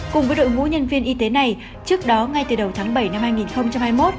cùng với đội ngũ nhân viên y tế này trước đó ngay từ đầu tháng bảy năm hai nghìn hai mươi một